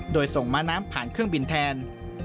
โดยส่งม้าน้ำผ่านเครื่องบินแทน